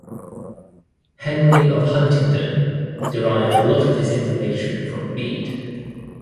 Henry of Huntingdon derived a lot of his information from Bede.